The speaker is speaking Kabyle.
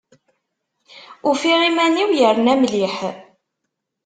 Ufiɣ iman-iw yerna mliḥ.